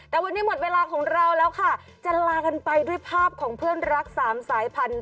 แต่วันนี้หมดเวลาของเราแล้วค่ะจะลากันไปด้วยภาพของเพื่อนรักสามสายพันธุ์